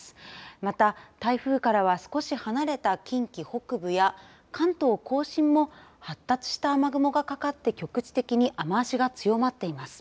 また台風からは少し離れた近畿北部や関東甲信も発達した雨雲がかかって局地的に雨足が強まっています。